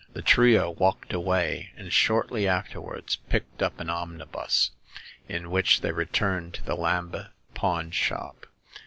The trio walked away, and shortly afterwards picked up an omnibus, in which they returned to the Lambeth pawn shop.